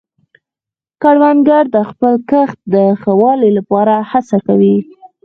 کروندګر د خپل کښت د ښه والي لپاره هڅې کوي